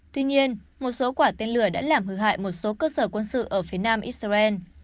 tuy nhiên một số quả tên lửa đã làm hư hại một số cơ sở quân sự ở phía nam israel